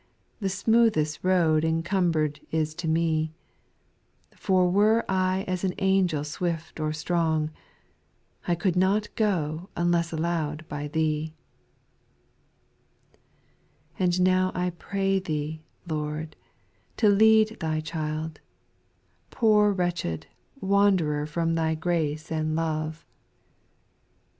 The smoothest road encumber'd is to me ; For were I as an angel swift or strong, I could not go unless allow'd by Thee. ?./ And now I pray Thee, Lord, to lead Thy child, Poor wretched, wanderer from Thy grace and love —■ 240 SPIRITUAL SONGS.